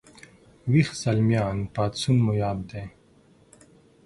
ويښ زلميان پاڅون مو یاد دی